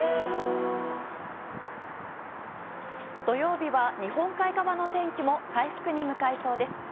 土曜日は日本海側の天気も回復に向かいそうです。